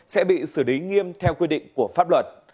sẽ bị xử lý nghiêm theo quy định của pháp luật